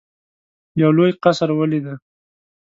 یو لوی قصر ولیدی.